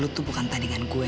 lu tuh bukan tandingan gue